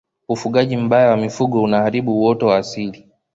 ufugaji mbaya wa mifugo unaharibu uoto wa asili